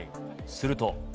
すると。